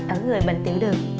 ở người bệnh tiểu đường